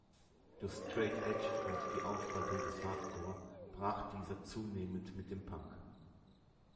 Durch Straight Edge und die Aufspaltung des Hardcore brach dieser zunehmend mit dem Punk.